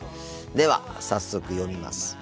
では早速読みます。